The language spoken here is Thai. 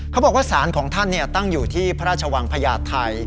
เขาบอกว่าสารของท่านตั้งอยู่ที่พระราชวังพญาไทย